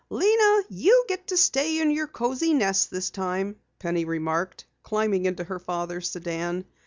"Lena, you get to stay in your cozy nest this time," Penny remarked, climbing into her father's sedan.